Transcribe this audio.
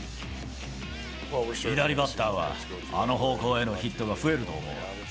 左バッターは、あの方向へのヒットが増えると思う。